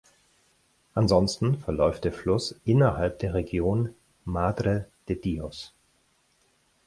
Ansonsten verläuft der Fluss innerhalb der Region Madre de Dios.